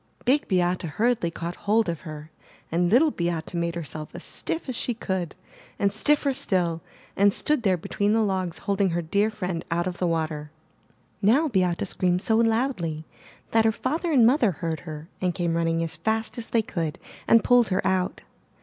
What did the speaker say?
Big Beate hurriedly caught hold of her and Little Beate made herself as stiff as she could, and stiff er still, and stood there between the logs holding her dear friend out of the water. Now Beate screamed so loudly that her father and mother heard her and came running as fast as they could, and pulled her out.